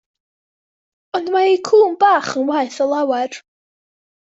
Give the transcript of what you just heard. Ond mae eu cŵn bach yn waeth o lawer.